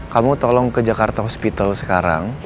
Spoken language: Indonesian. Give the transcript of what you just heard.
kamu tolong ke jakarta hospital sekarang